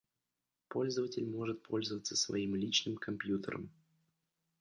Пользователь может пользоваться своим личным компьютером